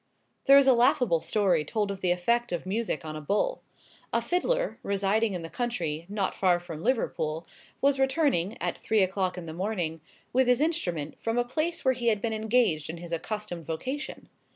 There is a laughable story told of the effect of music on a bull. A fiddler, residing in the country, not far from Liverpool, was returning, at three o'clock in the morning, with his instrument, from a place where he had been engaged in his accustomed vocation.